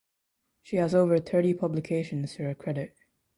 She has over thirty publications to her credit.